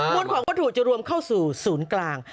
วนของวัตถุจะรวมเข้าสู่ศูนย์กลาง